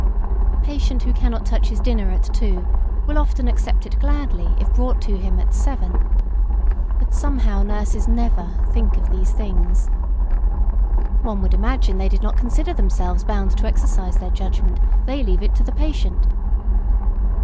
A patient who cannot touch his dinner at two, will often accept it gladly, if brought to him at seven. But somehow nurses never "think of these things." One would imagine they did not consider themselves bound to exercise their judgment; they leave it to the patient.